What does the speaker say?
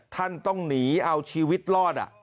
ท่านต้องหนีเอาชีวิตรอด